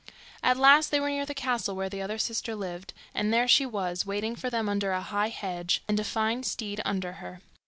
At last they were near the castle where the other sister lived; and there she was, waiting for them under a high hedge, and a fine steed under her.